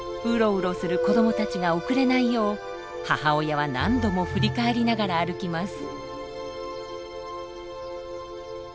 ウロウロする子どもたちが遅れないよう母親は何度も振り返りながら歩きます。